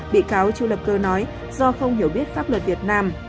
bị cáo chu lập cơ nói do không hiểu biết pháp luật việt nam